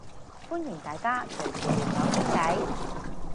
歡迎大家隨時撩我傾計